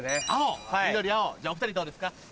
緑青じゃあお２人どうですか？